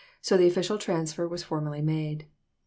Vol. the official transfer was formally made.